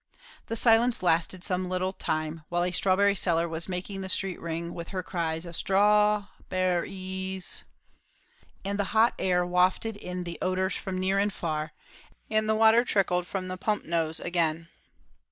The silence lasted some little time, while a strawberry seller was making the street ring with her cries of "Straw....berr_ees_," and the hot air wafted in the odours from near and far, and the water trickled from the pump nose again.